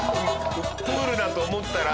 プールだと思ったら。